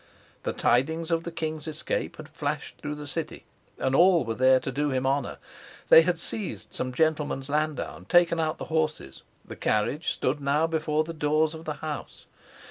The tidings of the king's escape had flashed through the city, and all were there to do him honor. They had seized some gentleman's landau and taken out the horses. The carriage stood now before the doors of the house.